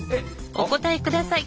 お答え下さい。